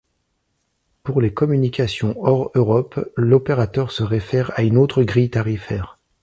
Pour les communications hors-Europe, l’opérateur se réfère à une autre grille tarifaire.